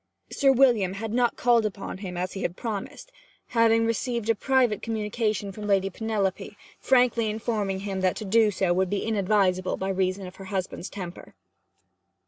Sir William had not called upon him as he had promised, having received a private communication from Lady Penelope, frankly informing him that to do so would be inadvisable, by reason of her husband's temper.